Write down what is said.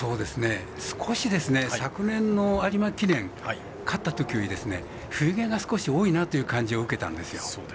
少し昨年の有馬記念勝ったときより冬毛が、少し多いなという感じがを受けたんです。